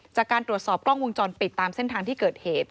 จากการตรวจสอบกล้องวงจรปิดตามเส้นทางที่เกิดเหตุ